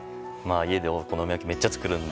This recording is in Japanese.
家でお好み焼きめっちゃ作るんで。